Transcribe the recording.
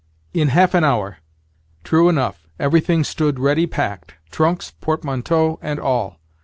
"In half an hour." True enough, everything stood ready packed—trunks, portmanteaux, and all.